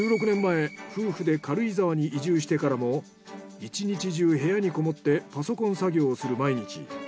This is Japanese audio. １６年前夫婦で軽井沢に移住してからも１日中部屋にこもってパソコン作業をする毎日。